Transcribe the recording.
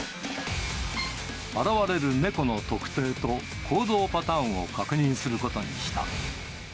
現れる猫の特定と、行動パターンを確認することにした。